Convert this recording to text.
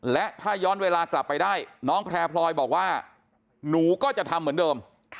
และถ้าย้อนเวลากลับไปได้น้องแพร่พลอยบอกว่าหนูก็จะทำเหมือนเดิม